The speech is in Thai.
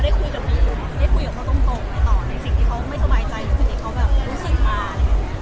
ได้คุยกับเขาตรงไม่ต่อ